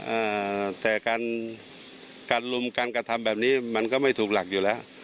อ่าแต่การการลุมการกระทำแบบนี้มันก็ไม่ถูกหลักอยู่แล้ว